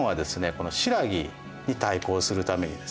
この新羅に対抗するためにですね